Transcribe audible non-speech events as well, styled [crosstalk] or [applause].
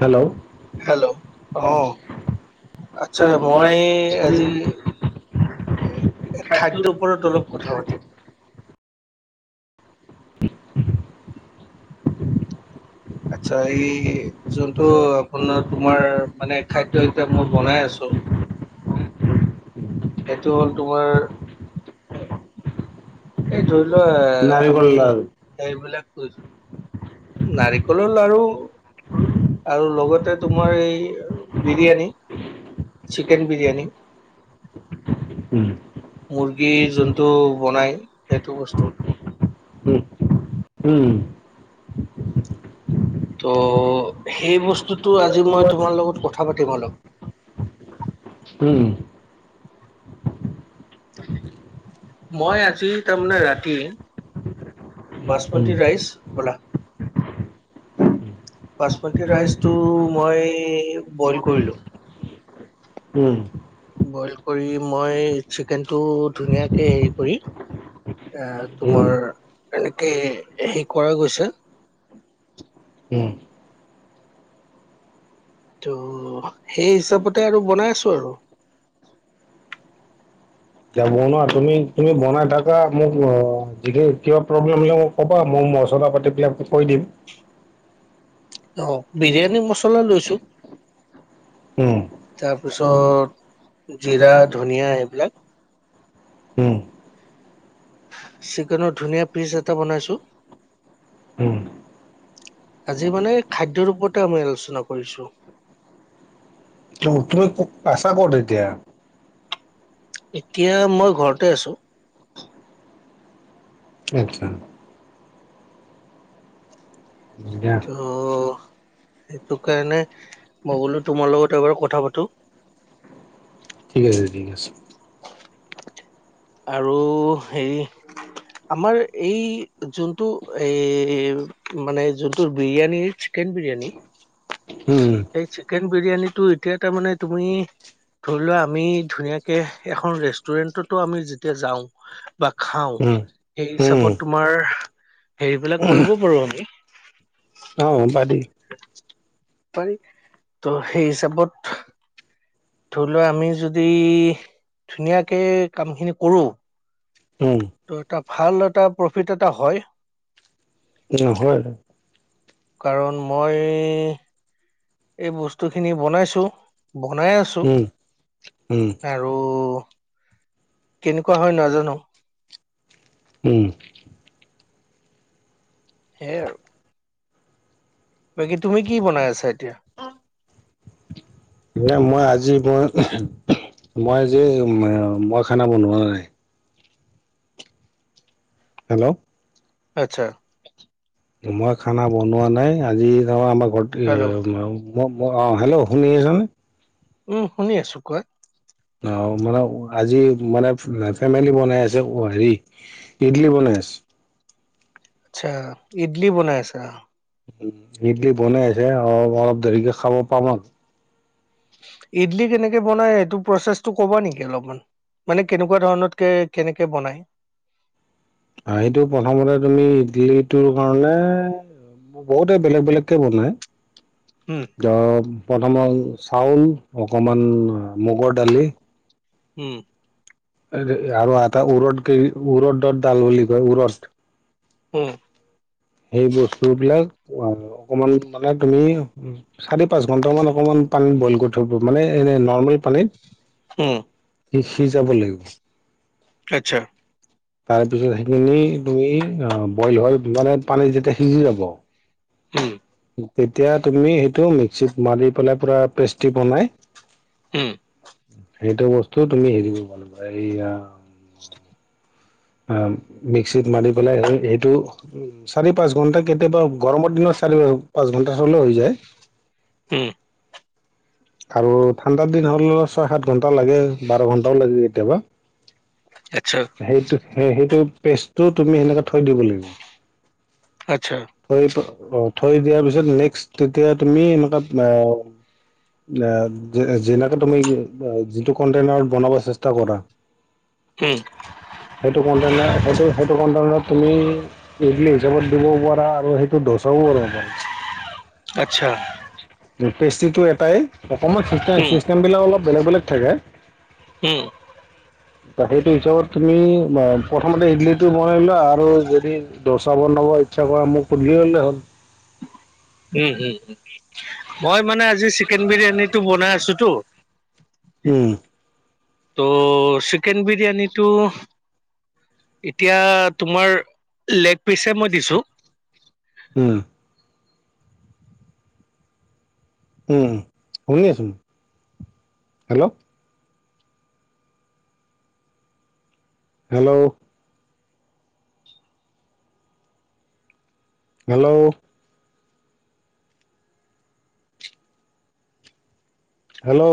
Hello hello অ' আচ্ছা মই আজি। খাদ্যৰ ওপৰত অলপ কথা পাতিম। আচ্ছা এই যোনটো আপোনাৰ তোমাৰ মানে খাদ্য এতিয়া মই বনাই আছো। [unintelligible] সেইটো হ'ল তোমাৰ। এই ধৰিলোৱা নাৰিকল আমি লাৰু সেবিলাক কৈছো। নাৰিকলৰ আৰু আৰু লগতে তোমাৰ এই বিৰিয়ানী চিকেন বিৰিয়ানি। [unintelligible] মুৰ্গী যোনটো বনাই সেইটো বস্তু। উম, উম'। ত সেই বস্তুত। টো আজি মই তোমাৰ লগত কথা পাতিম অলপ উম, মই আজি তাৰমানে ৰাতি। বাচমতী ৰাইচ, বলা, বাচমতি ৰাইচটো মই বইল কৰিলো। উম'। বইল কৰি মই চিকেনটো ধুনীয়াকে হেৰি কৰি। এ উম। তোমাৰ এনেকে হেৰি কৰা গৈছে। উম। ত' সেই হিচাপতে আৰু বনাই আছো আৰু। এতিয়া বনোৱা তুমি', তুমি' বনাই থাকা মোক [unintelligible] কিবা প্ৰব্লেম হ'লে মোক ক'বা মই মছলা পাতিবিলাক কৈ দিম। অ', বিৰিয়ানী মচলা লৈছো। উম, তাৰপিছত জিৰা, ধনিয়া এইবিলাক, হুম। চিকেনৰ ধুনীয়া পিচ এটা বনাইছো উম। আজি মানে খাদ্যৰ ওপৰতে আমি আলোচনা কৰিছো। অহ তুমি আছা ক'ত এতিয়া। এতিয়া মই ঘৰতে আছো। আচ্ছা। দিয়া অহ। সেইটো কাৰণে মই বোলো তোমাৰ লগত এবাৰ কথা পাতো। ঠিক আছে দি আছোঁ। আৰু হেৰি আমাৰ এই যোনটো এ মানে যোনটো বিৰিয়ানীৰ কেন বিৰিয়ানী, উম, এই চিকেন বিৰিয়ানীটো এতিয়া তাৰ মানে তুমি ধৰি লোৱা আমি ধুনীয়াকে এখন ৰেষ্টুৰেন্টতো আমি যেতিয়া যাওঁ বা খাওঁ উম, সেই উম, হিচাপত তোমাৰ হেৰিবিলাক কৰিব পাৰো আমি। অহ, বাত পাৰি ত' সেই হিচাপত ধৰি লোৱা আমি যদি ধুনীয়াকে কামখিনি কৰো উম, ত' এটা ভাল এটা প্ৰফিট এটা হয়। উম, হয় হয়। কাৰণ মই এই বস্তুখিনি বনাইছোঁ। বনাই আছো, উম, উম, আৰু কেনেকুৱা হয় নাজানো। উম। সেইয়া আৰু। বাকী তুমি [unintelligible] কি বনাই আছা আছে? এতিয়া? নাই আ এ মই আ আজি মই, মই আজি এ মই খানা বনুৱা নাই। হেল্ল। আচ্ছা। মই খানা বনোৱা নাই আজি ধৰা আমাৰ ঘৰত এ হেল্ল' মাও ম-ম অ', হেল্ল' শুনি আছ নে? উম, শুনি আছো কোৱা। অ', মানে আজি মানে ফেমিলি বনাই আছে, হেৰি ইডলি বনাই আছে। আচ্ছা ইডলি বনাই আছা। উম, ইডলি বনাই আছে। অ অলপ দেৰিকে খাব পাম আৰু। ইডলি কেনেকে বনাই এইটো প্ৰচেছটো ক'বা নেকি অলপমান। মানে কেনেকুৱা ধৰণতকে কেনেকে বনায়? অহ, সেইটো প্ৰথমতে তুমি ইডলিটোৰ কাৰণে বহুতে বেলেগ বেলেগকে বনাই, উম ধৰা প্ৰথমত চাউল অকমান মুগ ৰ দালি। উম। আৰু এটা উৰদ ক উৰদৰ ডাল বুলি কয় উৰদ। উম। সেই বস্তুবিলাক অকমান মানে তুমি চাৰি পাঁচ ঘন্ট মান অকমান পানীত বইল কৰি থব মানে এনে নৰ্মেল পানীত, উম। সেইয়া সিজাব লাগিব। আচ্ছা। তাৰপিছত সেইখিনি তুমি বইল হয় মানে পানীত যেতিয়া সিজি যাব উম তেতিয়া তুমি সেইটো মিক্সিত মাৰি পেলাই পুৰা পেষ্টি বনাই হম। সেইটো বস্তু তুমি হেৰি কৰিব এইয়া। অ মিক্সিত মাৰি পেলাই এইটো। উম চাৰি পাঁচ ঘন্টা কেতিয়াবা গৰমৰ দিনত চাৰি পাঁচ ঘন্টা হ'লে হৈ যায় উম আৰু ঠাণ্ডা দিন হ'ল ছয় সাত ঘন্টা লাগে বাৰ ঘন্টাও লাগে কেতিয়াবা। আচ্ছা সেইটো সেইটো পেষ্টটো তুমি সেনেকে থৈ দিব লাগিব। আচ্ছা। থৈ অ থৈ দিয়াৰ পিছত নেক্স তেতিয়া তুমি এনেকুৱা। যেনেকে তুমি যিটো কনটেইনাৰত বনাব চেষ্টা কৰা। উম। সেইটো কনটেনাত সেইটো কনটেনাত তুমি উইকলি হিচাপত দিব পাৰা আৰু ত' দচাও যানে। আচ্ছা পেষ্ট্ৰিটো এটাই অকণমান উম ছিষ্টেমবিলাক অলপ বেলেগ বেলেগ থাকে। উম সেইটো হিচাপত তুমি প্ৰথমতে ইডলিটো বনাই লোৱা আৰু যদি দ [inaudible] ইচ্ছা কৰা মোক [unintelligible] উম, উম, মই মানে আজি চিকেন বিৰিয়ানীটো বনাই আছোতো। উম ত' চিকেন বিৰিয়ানীটো। এতিয়া তোমাৰ লেগ পিচে মই দিছোঁ। উম উম, শুনি আছো হেল্ল' হেল্ল' হেল্ল' হেল্ল'